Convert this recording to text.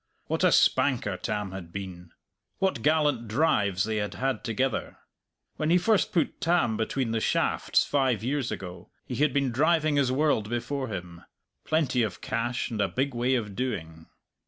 What a spanker Tam had been! What gallant drives they had had together! When he first put Tam between the shafts, five years ago, he had been driving his world before him, plenty of cash and a big way of doing.